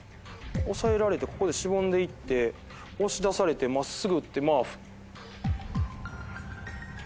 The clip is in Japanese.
押さえられてここでしぼんでいって押し出されて真っすぐってまぁ。